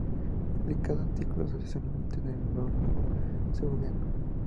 Publicaba artículos ocasionalmente en el Heraldo Segoviano.